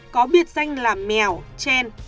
có biệt danh là mèo chen